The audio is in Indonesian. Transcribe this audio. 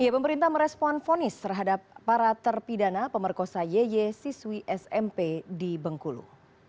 pemerintah merespon fonis terhadap para terpidana pemerkosa yy siswi smp di bengkulu